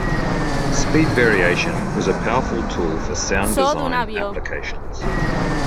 Speed variation was a powerful tool for sound design applications.